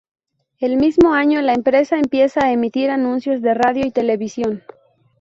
El mismo año la empresa empieza a emitir anuncios de radio y televisión.